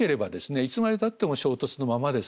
いつまでたっても衝突のままですから。